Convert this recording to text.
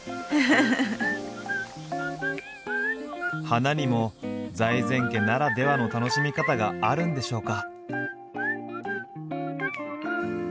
花にも財前家ならではの楽しみ方があるんでしょうか？